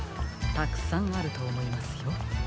たくさんあるとおもいますよ。